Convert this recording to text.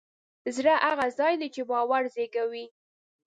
زړه هغه ځای دی چې باور زېږوي.